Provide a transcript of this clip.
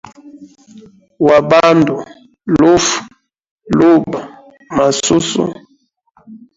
Wa bandu, lufu, luba, masusu.